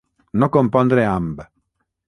No compondre amb.